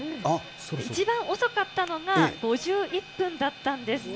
一番遅かったのが５１分だったんです。